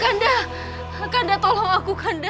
kanda kanda tolong aku kanda